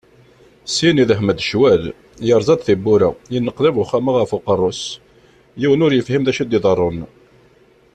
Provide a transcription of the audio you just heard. Syin yedhem-d ccwal, yerẓa-d tiwwura, yenneqlab uxxam-a ɣef uqerru-is, yiwen ur yefhim d acu i iḍerrun.